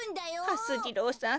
はす次郎さん